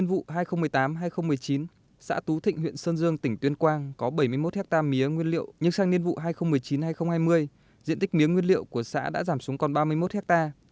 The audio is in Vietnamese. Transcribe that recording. nhiên vụ hai nghìn một mươi tám hai nghìn một mươi chín xã tú thịnh huyện sơn dương tỉnh tuyên quang có bảy mươi một hectare mía nguyên liệu nhưng sang nhiên vụ hai nghìn một mươi chín hai nghìn hai mươi diện tích mía nguyên liệu của xã đã giảm xuống còn ba mươi một hectare